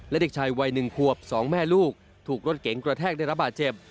เด็กชายวัยหนึ่งควบสองแม่ลูกถูกรถเก๋งกระแทกได้รับบาดเจ็บ